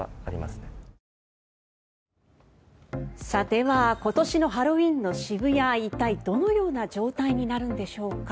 では今年のハロウィーンの渋谷は一体、どのような状態になるんでしょうか。